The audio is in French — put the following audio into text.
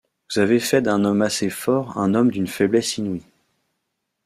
Vous avez fait d’un homme assez fort un homme d’une faiblesse inouïe...